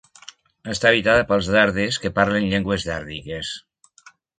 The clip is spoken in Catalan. Està habitada pels dardes que parlen llengües dàrdiques.